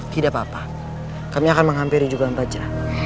tidak apa apa kami akan menghampiri juragan bajra